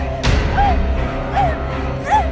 sepertinya ada ruangan lain